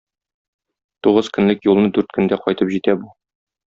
Тугыз көнлек юлны дүрт көндә кайтып җитә бу.